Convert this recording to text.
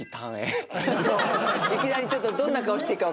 いきなりちょっとどんな顔していいか。